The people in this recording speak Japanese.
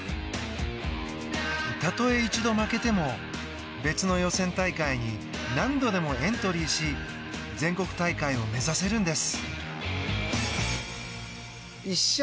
たとえ一度負けても別の予選大会に何度でもエントリーし全国大会を目指せるんです。